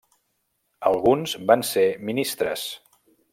Alguns van ser ministres.